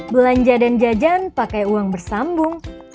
belanja dan jajan pakai uang bersambung